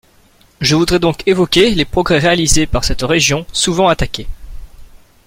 Je voudrais donc évoquer les progrès réalisés par cette région souvent attaquée.